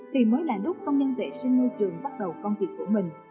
thì mới là lúc công nhân vệ sinh môi trường bắt đầu công việc của mình